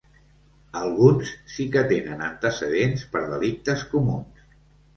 Alguns sí que tenen antecedents per delictes comuns.